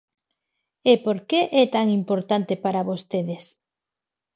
¿E por que é tan importante para vostedes?